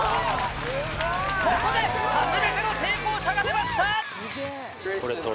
ここで初めての成功者が出ました！